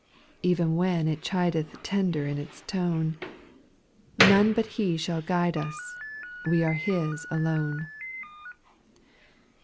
Even when it chideth tender in its tone ; None but He shall guide us ; we are His alone.